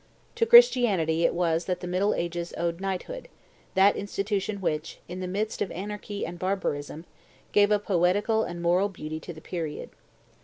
To Christianity it was that the middle ages owed knighthood, that institution which, in the midst of anarchy and barbarism, gave a poetical and moral beauty to the period.